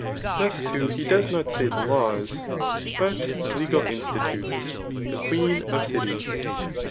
Thus too, he does not say the kpws^ but legal institutes^ the queen of cities.